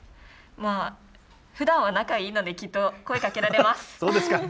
ふだんは仲いいので、きっと声かけられます。